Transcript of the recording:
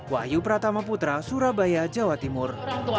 wahyu pratama putra surabaya jawa timur